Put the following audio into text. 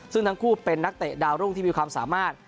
ซึ่งทั้งคู่เป็นนักเตะดาวรุ่งที่มีความสามารถ